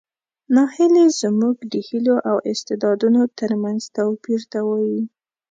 ناهیلي زموږ د هیلو او استعدادونو ترمنځ توپیر ته وایي.